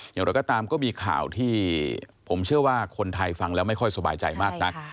อย่างไรก็ตามก็มีข่าวที่ผมเชื่อว่าคนไทยฟังแล้วไม่ค่อยสบายใจมากนัก